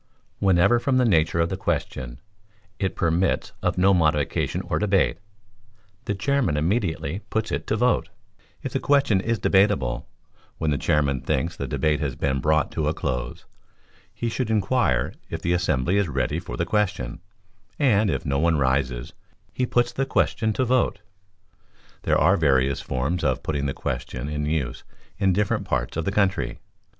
Whenever from the nature of the question it permits of no modification or debate, the Chairman immediately puts it to vote; if the question is debatable, when the Chairman thinks the debate has been brought to a close, he should inquire if the assembly is ready for the question, and if no one rises he puts the question to vote. There are various forms for putting the question, in use in different parts of the country.